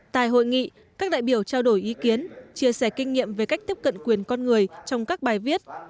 tại hội nghị các đại biểu trao đổi ý kiến chia sẻ kinh nghiệm về cách tiếp cận quyền con người trong các bài viết